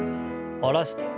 下ろして。